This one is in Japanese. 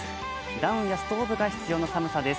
ダウンやストールが必要寒さです。